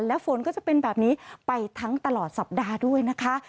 และฝนก็จะเป็นแบบนี้ไปทั้งตลอดสัปดาห์ด้วยนะคะ